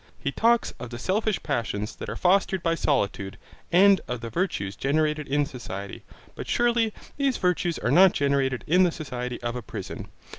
He talks of the selfish passions that are fostered by solitude and of the virtues generated in society. But surely these virtues are not generated in the society of a prison.